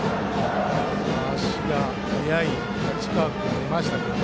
足が速い太刀川君が出ましたね。